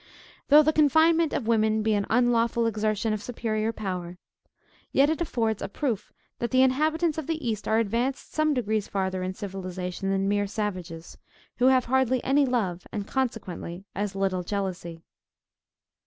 Though the confinement of women be an unlawful exertion of superior power, yet it affords a proof that the inhabitants of the East are advanced some degrees farther in civilization than mere savages, who have hardly any love and consequently as little jealousy.